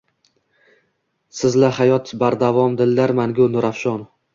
Sizla hayot bardavom, dillar mangu nurafshon